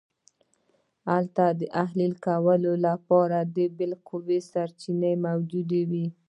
هلته د اهلي کولو لپاره بالقوه سرچینې موجودې وې